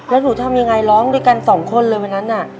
แล้วหนูทำยังไงร้องด้วยกันสองคนเลยวันนั้นน่ะ